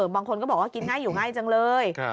บางคนก็บอกว่ากินง่ายอยู่ง่ายจังเลย